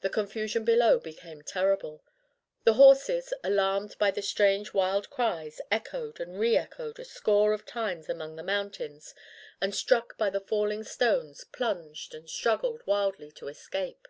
The confusion below became terrible. The horses, alarmed by the strange wild cries, echoed and re echoed a score of times among the mountains, and struck by the falling stones, plunged and struggled wildly to escape.